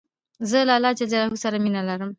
زه له الله ج سره مینه لرم.